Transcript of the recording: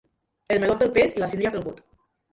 El meló, pel pes, i, la síndria, pel bot.